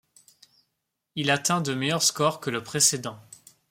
Il atteint de meilleurs scores que le précédent.